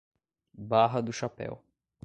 Barra do Chapéu